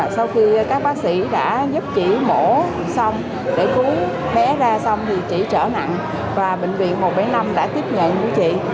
sau khi các bác sĩ đã giúp chị mổ xong để cứu bé ra xong thì chị trở nặng và bệnh viện một trăm bảy mươi năm đã tiếp nhận với chị